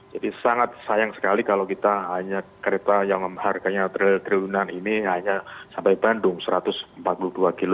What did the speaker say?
jadi sangat sayang sekali kalau kita hanya kereta yang harganya triliunan ini hanya sampai bandung satu ratus empat puluh dua kilo